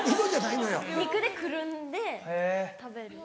肉でくるんで食べる。